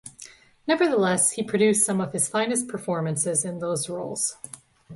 Nevertheless, he produced some of his finest performances in those roles.